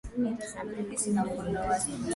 Aprili kumi na nne